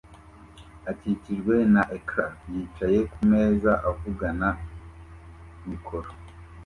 akikijwe na ecran yicaye kumeza avugana na mikoro